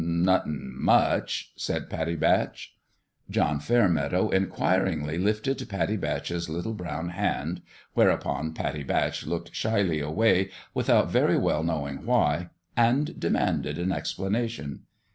" Nothin' much;' said Pattie Batch. John Fairmeadow inquiringly lifted Pattie Batch's little brown hand whereupon Pattie Batch looked shyly away without very well knowing why and demanded an explanation.